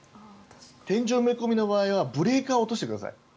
天井埋め込みの場合はブレーカーを落としてください。